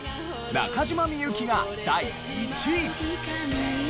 中島みゆきが第１位。